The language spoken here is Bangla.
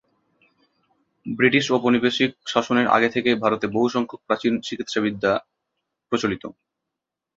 ব্রিটিশ ঔপনিবেশিক শাসনের আগে থেকেই ভারতে বহুসংখ্যক প্রাচীন চিকিৎসাবিদ্যা প্রচলিত।